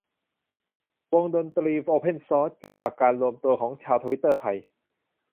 วงดนตรีโอเพ่นซอร์ส จากการรวมตัวของชาวทวิตเตอร์ไทย